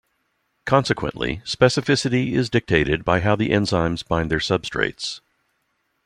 Consequently, specificity is dictated by how the enzymes bind their substrates.